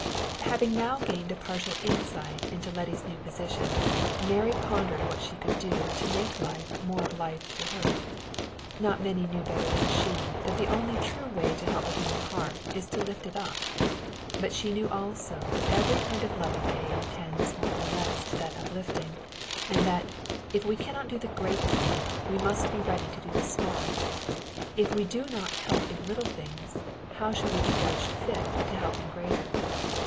Having now gained a partial insight into Letty's new position, Mary pondered what she could do to make life more of life to her. Not many knew better than she that the only true way to help a human heart is to lift it up; but she knew also that every kind of loving aid tends more or less to that uplifting; and that, if we can not do the great thing, we must be ready to do the small: if we do not help in little things, how shall we be judged fit to help in greater?